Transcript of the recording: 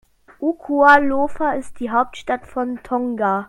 Nukuʻalofa ist die Hauptstadt von Tonga.